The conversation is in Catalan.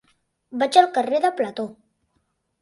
Vaig al carrer de Plató.